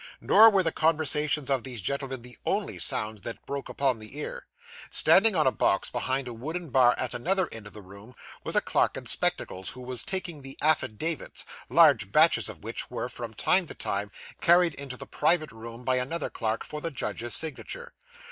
Nor were the conversations of these gentlemen the only sounds that broke upon the ear. Standing on a box behind a wooden bar at another end of the room was a clerk in spectacles who was 'taking the affidavits'; large batches of which were, from time to time, carried into the private room by another clerk for the judge's signature.